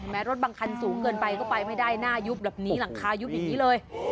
รถบางคันสูงเกินไปก็ไปไม่ได้หน้ายุบแบบนี้หลังคายุบอย่างนี้เลย